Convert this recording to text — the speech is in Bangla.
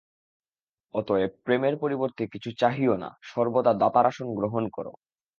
অতএব প্রেমের পরিবর্তে কিছু চাহিও না, সর্বদা দাতার আসন গ্রহণ কর।